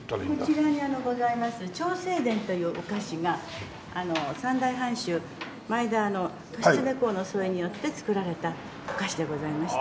こちらにございます長生殿というお菓子が三代藩主前田利常公の創意によって作られたお菓子でございまして。